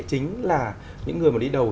chính là những người mà đi đầu